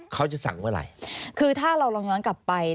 เขาจะสั่งเวลาไหร่